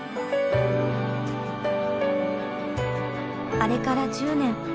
あれから１０年。